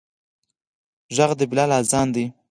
غږ د بلال اذان دی